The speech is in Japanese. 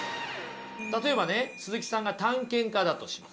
例えばね鈴木さんが探検家だとします。